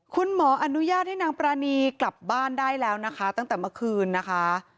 คุณหมออนุญาตให้นางปรานีกลับบ้านได้แล้วนะคะตั้งแต่เมื่อคืนนะคะ